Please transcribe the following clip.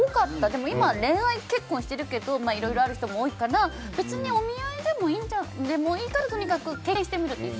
でも今は恋愛結婚してるけどいろいろある人も多いから別にお見合いでもいいからとにかく経験してみると。